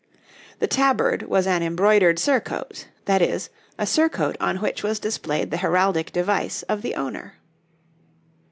The tabard was an embroidered surcoat that is, a surcoat on which was displayed the heraldic device of the owner.